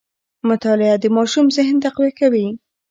مطالعه د ماشوم ذهن تقویه کوي.